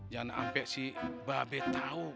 jangan sampe si babe tau